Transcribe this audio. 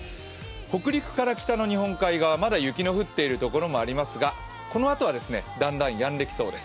北陸から北の日本海側まだ雪の降っている所もありますが、このあとはだんだんやんできそうです。